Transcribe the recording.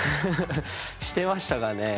してましたかね？